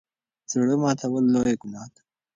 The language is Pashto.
زړه ماتول لويه ګناه ده.